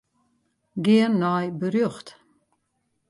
Gean nei berjocht.